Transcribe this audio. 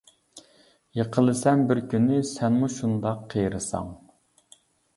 يىقىلىسەن بىر كۈنى، سەنمۇ شۇنداق قېرىساڭ.